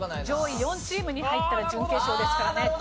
上位４チームに入ったら準決勝ですからね。